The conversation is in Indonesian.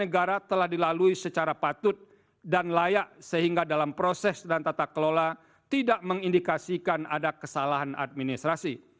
negara telah dilalui secara patut dan layak sehingga dalam proses dan tata kelola tidak mengindikasikan ada kesalahan administrasi